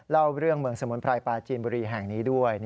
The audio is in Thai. เล่าเรื่องเมืองสมุนไพรปลาจีนบุรีแห่งนี้ด้วย